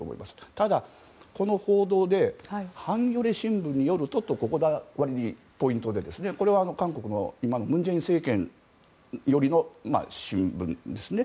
ただ、この報道でハンギョレ新聞によるというのがここがポイントで、韓国の文在寅政権寄りの新聞です。